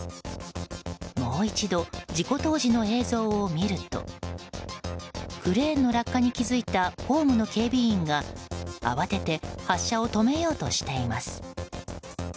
もう一度事故当時の映像を見るとクレーンの落下に気付いたホームの警備員が慌てて発車を止めようとしています。